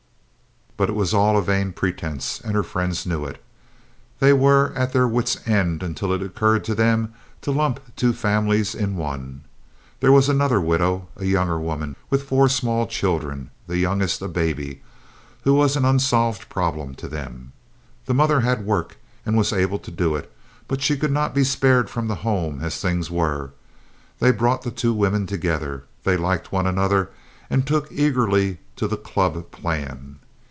But it was all a vain pretense, and her friends knew it. They were at their wits' end until it occurred to them to lump two families in one. There was another widow, a younger woman with four small children, the youngest a baby, who was an unsolved problem to them. The mother had work, and was able to do it; but she could not be spared from home as things were. They brought the two women together. They liked one another, and took eagerly to the "club" plan.